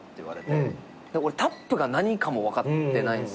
俺タップが何かも分かってないんですけど。